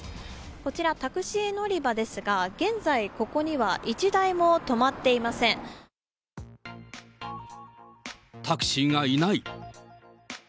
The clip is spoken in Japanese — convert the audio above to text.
こちらタクシー乗り場ですが、現在、タクシーがいない。